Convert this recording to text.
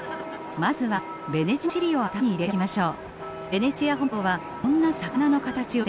まずはベネチアの地理を頭に入れておきましょう。